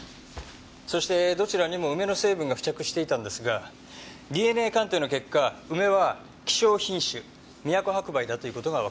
そしてどちらにも梅の成分が付着していたんですがＤＮＡ鑑定の結果梅は希少品種都白梅だという事がわかりました。